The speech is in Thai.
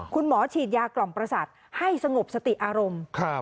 คุณหมอฉีดยากล่องประสัตว์ให้สงบสติอารมณ์ครับ